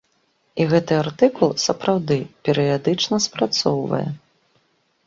І гэты артыкул, сапраўды, перыядычна спрацоўвае.